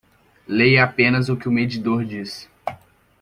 Leia apenas o que o medidor diz.